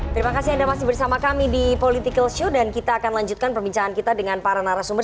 terima kasih anda masih bersama kami di political show dan kita akan lanjutkan perbincangan kita dengan para narasumber